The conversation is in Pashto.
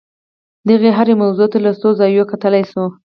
دغې هرې موضوع ته له څو زاویو کتلای شو.